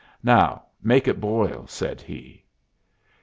"Now make it boil," said he.